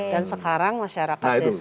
dan sekarang masyarakat desa